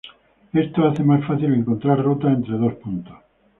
Esto hace más fácil encontrar rutas entre dos puntos.